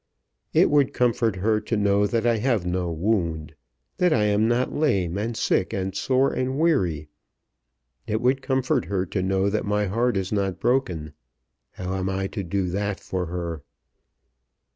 It would comfort her to know that I have no wound, that I am not lame and sick and sore and weary. It would comfort her to know that my heart is not broken. How am I to do that for her?"